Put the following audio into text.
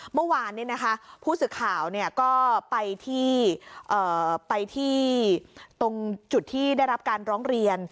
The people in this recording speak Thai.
เมื่อวานผู้สื่อข่าวก็ไปที่ตรงจุดที่ได้รับการร้องเรียน